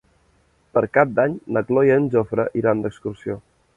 Per Cap d'Any na Cloè i en Jofre iran d'excursió.